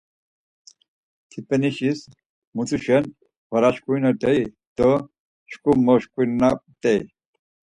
Tipenişis mutişen var aşǩurinert̆ey do şǩu moşǩurinamt̆ey.